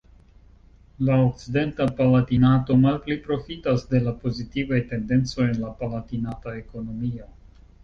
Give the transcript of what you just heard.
La okcidenta Palatinato malpli profitas de la pozitivaj tendencoj en la Palatinata ekonomio.